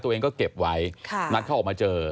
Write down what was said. ตัวเองก็เก็บไว้นัดเขาออกมาเจอ